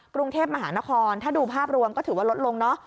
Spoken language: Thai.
กรุงเทพมหานครถ้าดูภาพรวมก็ถือว่าลดลงเนอะ